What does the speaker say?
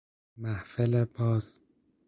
محفل باز